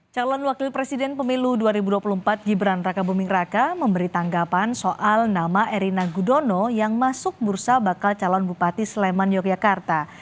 calon wakil presiden pemilu dua ribu dua puluh empat gibran raka buming raka memberi tanggapan soal nama erina gudono yang masuk bursa bakal calon bupati sleman yogyakarta